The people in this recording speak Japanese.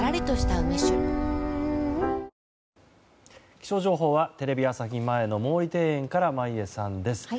気象情報はテレビ朝日前の毛利庭園から眞家さんです。